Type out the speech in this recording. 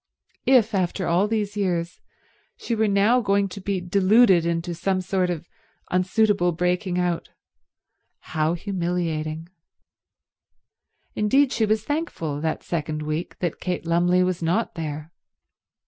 If, after all these years, she were now going to be deluded into some sort of unsuitable breaking out, how humiliating. Indeed she was thankful, that second week, that Kate Lumley was not there.